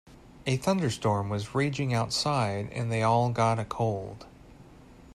A thunderstorm was raging outside and they all got a cold.